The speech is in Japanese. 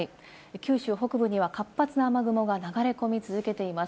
九州北部には活発な雨雲が流れ込み続けています。